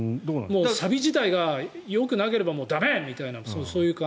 サビ自体がよくなければ駄目みたいな。